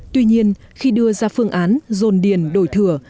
tuy nhiên khi đưa ra phương án dồn điền đổi thừa